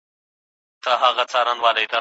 شاګرد د موضوع حدود څنګه ټاکي؟